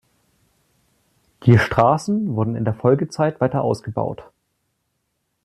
Die Straßen wurden in der Folgezeit weiter ausgebaut.